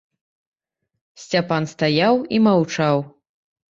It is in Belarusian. Сцяпан стаяў і маўчаў.